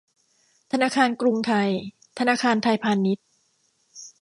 ธนาคารกรุงไทย ธนาคารไทยพาณิชย์